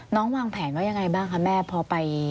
วางแผนว่ายังไงบ้างคะแม่พอไป